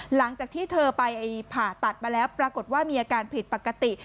หลังจากที่เธอไปผ่าตัดมาแล้วปรากฏว่ามีอาการผิดปกติ